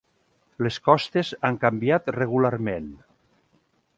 Les costes han canviat regularment.